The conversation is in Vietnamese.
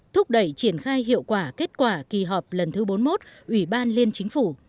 thúc đẩy triển khai hiệu quả kết quả kỳ họp lần thứ bốn mươi một ủy ban liên chính phủ